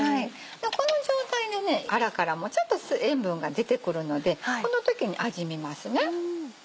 この状態のアラからもちょっと塩分が出てくるのでこの時に味見ますね。